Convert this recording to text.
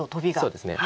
そうですね。